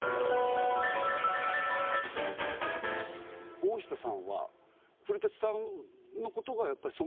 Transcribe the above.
大下さんは古さんのことがやっぱり尊敬されてる方？